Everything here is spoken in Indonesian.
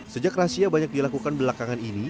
sejak razia banyak dilakukan belakangan ini